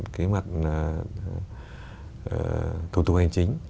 thứ hai là thủ tục hành chính